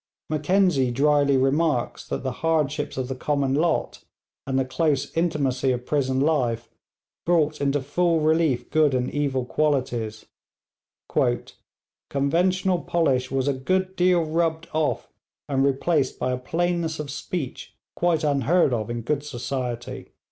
Mackenzie drily remarks that the hardships of the common lot, and the close intimacy of prison life, brought into full relief good and evil qualities; 'conventional polish was a good deal rubbed off and replaced by a plainness of speech quite unheard of in good society.'